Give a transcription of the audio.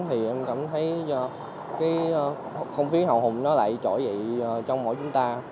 thì em cảm thấy không khí hào hùng lại trỗi dậy